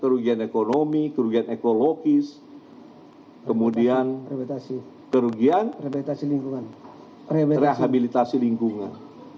kerugian ekonomi kerugian ekologis kemudian kerugian rehabilitasi lingkungan